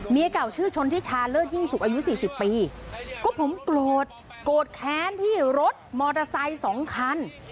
เก่าชื่อชนทิชาเลิศยิ่งสุขอายุสี่สิบปีก็ผมโกรธโกรธแค้นที่รถมอเตอร์ไซค์สองคัน